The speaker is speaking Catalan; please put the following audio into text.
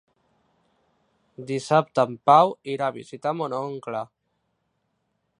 Dissabte en Pau irà a visitar mon oncle.